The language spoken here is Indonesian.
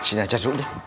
sini aja dulu deh